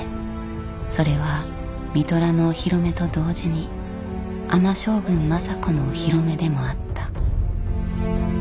それは三寅のお披露目と同時に尼将軍政子のお披露目でもあった。